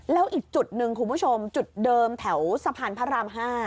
แล้วอีกจุดหนึ่งคุณผู้ชมจุดเดิมแถวสะพานพระราม๕